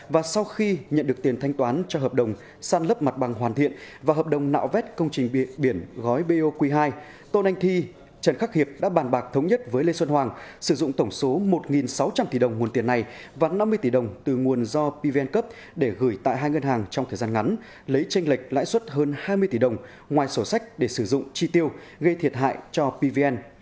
và sau khi nhận được tiền thanh toán cho hợp đồng san lấp mặt bằng hoàn thiện và hợp đồng nạo vét công trình biển gói boq hai tôn anh thi trần khắc hiệp đã bàn bạc thống nhất với lê xuân hoàng sử dụng tổng số một sáu trăm linh tỷ đồng nguồn tiền này và năm mươi tỷ đồng từ nguồn do pvn cấp để gửi tại hai ngân hàng trong thời gian ngắn lấy tranh lệch lãi suất hơn hai mươi tỷ đồng ngoài sổ sách để sử dụng chi tiêu gây thiệt hại cho pvn